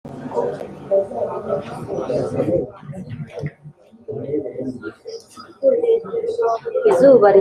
izuba ricyata ijuru